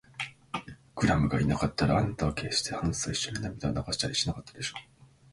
クラムがいなかったら、あなたはけっしてハンスといっしょに涙を流したりしなかったでしょう。